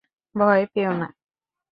ভয় পেয়ো না।